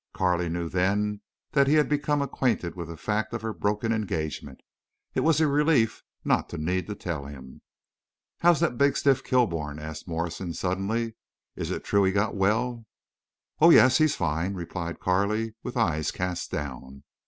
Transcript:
Carley knew then that he had become acquainted with the fact of her broken engagement. It was a relief not to need to tell him. "How's that big stiff, Kilbourne?" asked Morrison, suddenly. "Is it true he got well?" "Oh—yes! He's fine," replied Carley with eyes cast down.